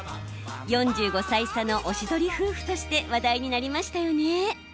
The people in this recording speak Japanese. ４５歳差のおしどり夫婦として話題になりましたよね。